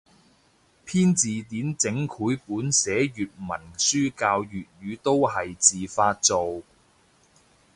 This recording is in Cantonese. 編字典整繪本寫粵文書教粵語都係自發做